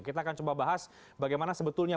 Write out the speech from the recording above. kita akan coba bahas bagaimana sebetulnya